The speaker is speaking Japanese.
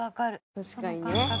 確かにね。